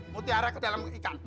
mutiara ke dalam ikan